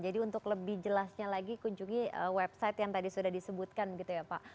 untuk lebih jelasnya lagi kunjungi website yang tadi sudah disebutkan gitu ya pak